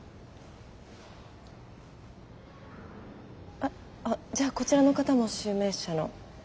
あっあじゃあこちらの方も集明社の？